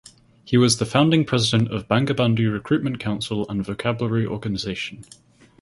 He was the founding president of Bangabandhu Recruitment Council and vocabulary organization.